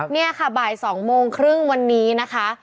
นี่ค่ะบ่าย๒โมงครึ่งวันนี้นะคะ